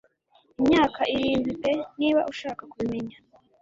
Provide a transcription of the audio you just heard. Imyaka irindwi pe niba ushaka kubimenya.